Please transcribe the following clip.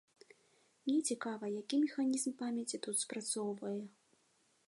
Мне цікава, які механізм памяці тут спрацоўвае.